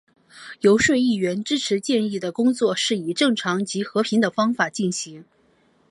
游说议员支持建议的工作是以正常及和平的方法进行。